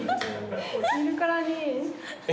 見るからに。